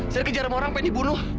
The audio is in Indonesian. saya kejar sama orang pengen dibunuh